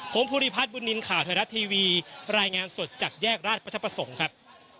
ผมภูริพัฒนบุญนินทร์ข่าวไทยรัฐทีวีรายงานสดจากแยกราชประสงค์ครับ